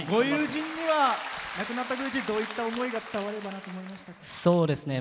ご友人にはどういった思いが伝わればなと思いましたか？